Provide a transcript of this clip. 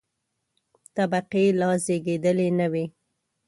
طبقې لا زېږېدلې نه وې.